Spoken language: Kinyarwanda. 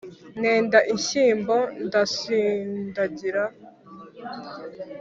Nenda inshyimbo ndasindeagira